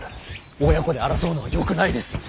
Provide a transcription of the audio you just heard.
親子で争うのはよくないです。